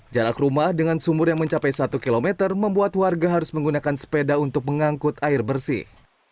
jarak rumah dengan sumur yang mencapai satu km membuat warga harus menggunakan sepeda untuk mengangkut air bersih